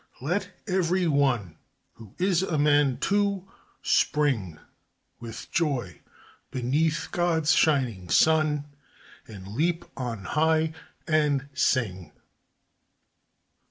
Let every one Who is a man, too, spring With joy beneath God's shining sun, And leap on high, and sing!